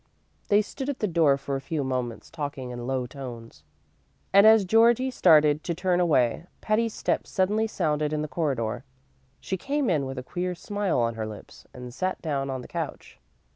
They stood at the door a few moments talking in low tones, and as Georgie started to turn away, Patty's step suddenly sounded in the corridor. She came in with a queer smile on her lips, and sat down on the couch.